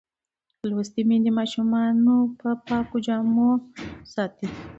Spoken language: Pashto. لوستې میندې ماشومان په پاکو جامو ساتي.